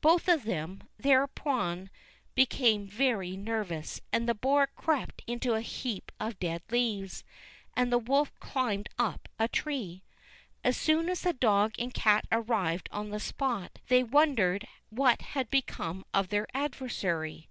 Both of them, thereupon, became very nervous, and the boar crept into a heap of dead leaves, and the wolf climbed up a tree. As soon as the dog and cat arrived on the spot they wondered what had become of their adversary.